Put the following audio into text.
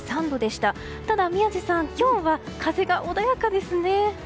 ただ、宮司さん今日は風が穏やかですね。